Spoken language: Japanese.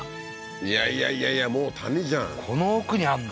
いやいやいやいやもう谷じゃんこの奥にあんの？